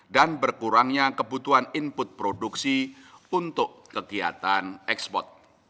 dan berkurangnya kebutuhan input produksi untuk kegiatan ekspor